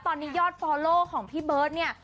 ตอนนี้ยอดฟอลโลของพี่เบิร์ตเนี่ย